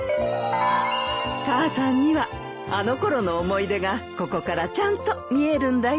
母さんにはあの頃の思い出がここからちゃんと見えるんだよ。